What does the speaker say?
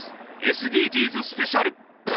ＳＤＧｓスペシャル。